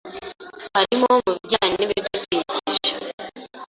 harimo mu bijyanye n’ibidukikije,